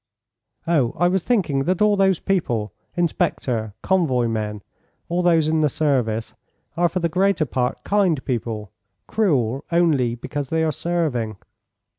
"Oh! I was thinking that all those people (inspector, convoy men all those in the service) are for the greater part kind people cruel only because they are serving."